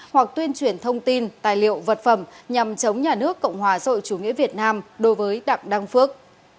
hoặc tuyên truyền thông tin tài liệu vật phẩm nhằm chống nhà nước cộng hòa rội chủ nghĩa việt nam đối với đảng đăng phước